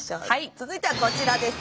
続いてはこちらです。